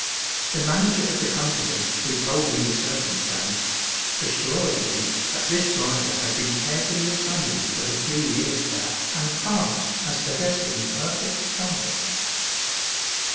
The manager of the Company, who told me the circumstance, assured me that this driver had been carefully examined but a few years back and passed as possessing perfect sight.'